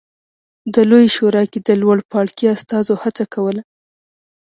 د لویې شورا کې د لوړ پاړکي استازو هڅه کوله